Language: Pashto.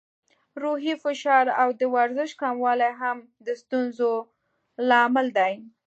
روحي فشار او د ورزش کموالی هم د ستونزو لامل دی.